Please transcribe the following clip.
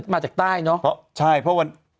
มาจากใต้เนอะใช่เพราะวัน